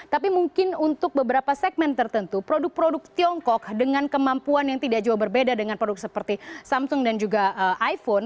tapi mungkin untuk beberapa segmen tertentu produk produk tiongkok dengan kemampuan yang tidak jauh berbeda dengan produk seperti samsung dan juga iphone